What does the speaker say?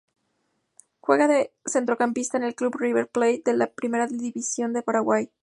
Juega de centrocampista en el Club River Plate de la Primera División de Paraguay.